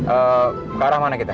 eh ke arah mana kita